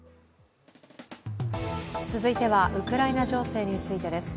続いては、ウクライナ情勢についてです。